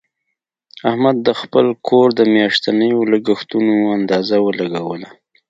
احمد د خپل کور د میاشتنیو لګښتونو اندازه ولګوله.